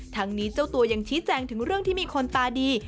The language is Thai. ทั้งนี้เจ้าตัวยังชี้แจงถึงเรื่องที่มีคนตาดี